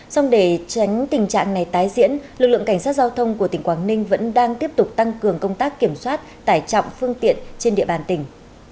xong để tránh tình trạng này tái diễn lực lượng cảnh sát giao thông của tỉnh quảng ninh vẫn đang tiếp tục tăng cường công tác kiểm soát tải trọng phương tiện trên địa bàn tỉnh